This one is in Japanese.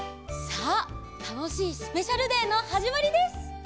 さあたのしいスペシャルデーのはじまりです！